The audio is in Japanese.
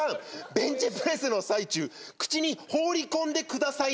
ベンチプレスの最中口に放り込んで下さい！！